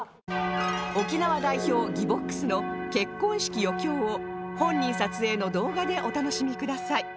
沖縄代表ぎぼっくすの結婚式余興を本人撮影の動画でお楽しみください